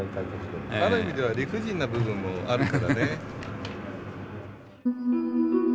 ある意味では理不尽な部分もあるからね。